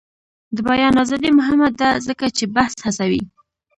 د بیان ازادي مهمه ده ځکه چې بحث هڅوي.